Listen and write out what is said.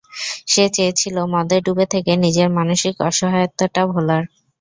সে চেয়েছিল মদে ডুবে থেকে নিজের মানসিক অসহায়ত্বটা ভোলার!